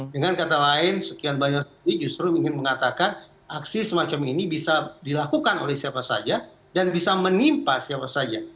dengan kata lain sekian banyak yang justru ingin mengatakan aksi semacam ini bisa dilakukan oleh siapa saja dan bisa menimpa siapa saja